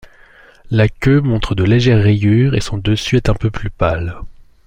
La queue montre de légères rayures et son dessus est un peu plus pâle.